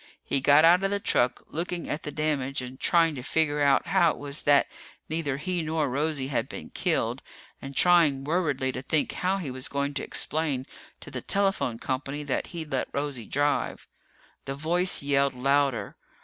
He got out of the truck, looking at the damage and trying to figure out how it was that neither he nor Rosie had been killed, and trying worriedly to think how he was going to explain to the telephone company that he'd let Rosie drive. The voice yelled louder.